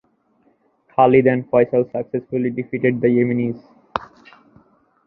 Khalid and Faisal successfully defeated the Yemenis.